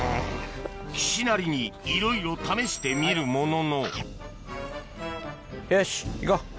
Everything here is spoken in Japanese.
岸なりにいろいろ試してみるもののよしいこう。